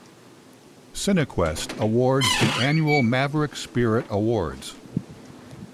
Cinequest awards the annual Maverick Spirit Awards.